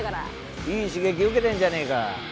いい刺激受けてるじゃねえか。